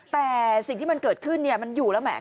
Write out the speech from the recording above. แต่สิ่งที่มันเกิดขึ้นมันอยู่แล้วแหม